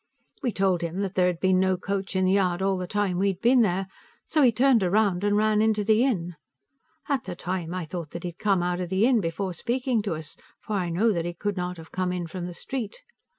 We told him that there had been no coach in the yard all the time we had been there, so he turned around and ran into the inn. At the time, I thought that he had come out of the inn before speaking to us, for I know that he could not have come in from the street.